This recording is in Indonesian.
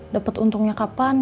dapet untungnya kapan